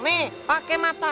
nih pakai mata